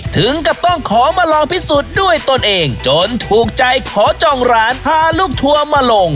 ถึงกับต้องขอมาลองพิสูจน์ด้วยตนเองจนถูกใจขอจองร้านพาลูกทัวร์มาลง